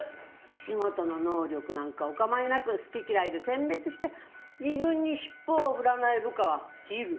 仕事の能力なんかお構いなく好き嫌いで選別して自分に尻尾を振らない部下は切る。